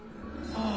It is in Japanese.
ああ。